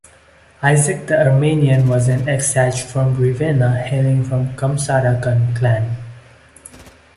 Isaac the Armenian was an Exarch of Ravenna hailing from the Kamsarakan clan.